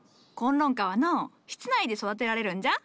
崑崙花はのう室内で育てられるんじゃ。